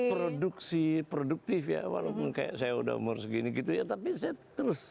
produksi produktif ya walaupun kayak saya udah umur segini gitu ya tapi saya terus